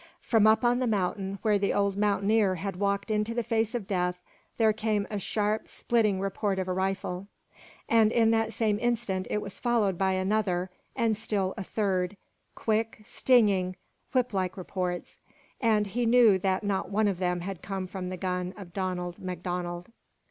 From up on the mountain where the old mountaineer had walked into the face of death there came the sharp, splitting report of a rifle; and in that same instant it was followed by another and still a third quick, stinging, whiplike reports and he knew that not one of them had come from the gun of Donald MacDonald!